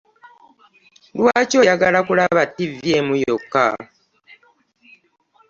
Lwaki oyagala kulaba ttivi emu yokka?